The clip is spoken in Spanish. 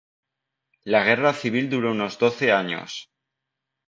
La guerra civil duró unos doce años.